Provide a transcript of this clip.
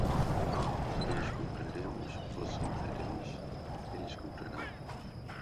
Nós compraremos, vós comprareis, eles comprarão